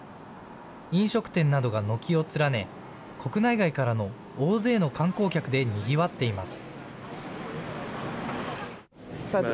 飲食店などが軒を連ね国内外からの大勢の観光客でにぎわっています。